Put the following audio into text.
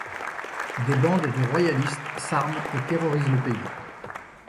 Des bandes de royalistes s’arment et terrorisent le pays.